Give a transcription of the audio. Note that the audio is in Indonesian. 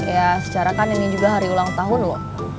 ya secara kan ini juga hari ulang tahun loh